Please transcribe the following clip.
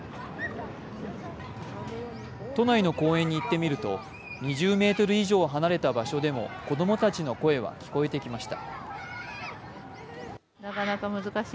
都内の公園に行ってみると、２０ｍ以上離れた場所でも子供たちの声は聞こえてきました。